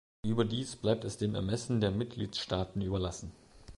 Überdies bleibt es dem Ermessen der Mitgliedstaaten überlassen.